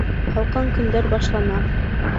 Һалҡын көндәр башлана.